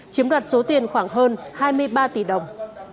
chiếm đoạt số tiền khoảng hơn hai mươi ba tỷ đồng